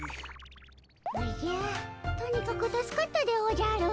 おじゃとにかく助かったでおじゃる。